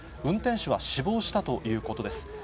運転手は死亡したということです。